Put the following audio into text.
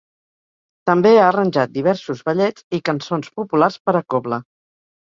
També ha arranjat diversos ballets i cançons populars per a cobla.